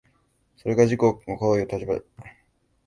それが自己を行為の立場から分離するのも、